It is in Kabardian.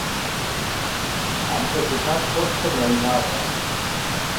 Ар зэлъытар ткӀуэпсхэм я инагъыращ.